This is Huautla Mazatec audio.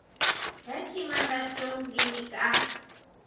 Je kjima nda chon nguinikʼa.